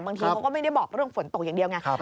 เขาก็ไม่ได้บอกเรื่องฝนตกอย่างเดียวไง